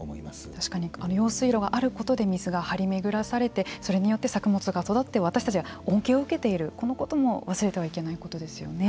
確かに用水路があることで水が張り巡らされてそれによって作物が育って私たちが恩恵を受けているこのことも忘れてはいけないことですよね。